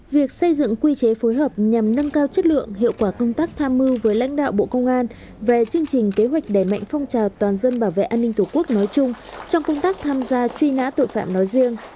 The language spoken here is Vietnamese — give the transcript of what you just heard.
việc xây dựng quy chế phối hợp nhằm nâng cao chất lượng hiệu quả công tác tham mưu với lãnh đạo bộ công an về chương trình kế hoạch đề mạnh phong trào toàn dân bảo vệ an ninh tổ quốc nói chung trong công tác tham gia truy nã tội phạm nói riêng